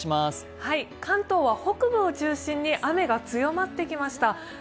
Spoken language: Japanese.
関東は北部を中心に雨が強まってきました。